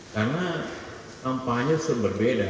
karena kampanye sudah berbeda